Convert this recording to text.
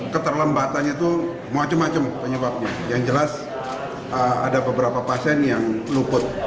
keterlembatannya tahu macem hasilnya yang jelas ada beberapa pasien yang luput